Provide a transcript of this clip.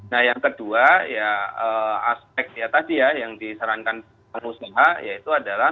nah yang kedua ya aspeknya tadi ya yang disarankan para pengusaha yaitu adalah